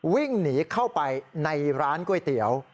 วิ่งหนีเข้าไปในร้านก๋วยเตี๋ยว